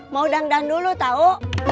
mau dangdang dulu tau